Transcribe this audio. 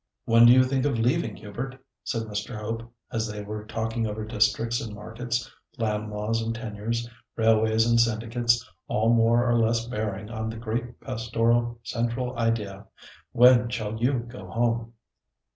"When do you think of leaving, Hubert?" said Mr. Hope, as they were talking over districts and markets, land laws and tenures, railways and syndicates, all more or less bearing on the great pastoral central idea. "When shall you go home?"